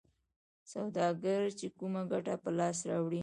سوداګر چې کومه ګټه په لاس راوړي